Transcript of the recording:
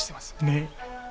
ねっ。